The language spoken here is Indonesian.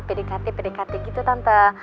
pdkt pdkt gitu tante